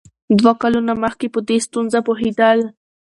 دوی کلونه مخکې په دې ستونزه پوهېدل.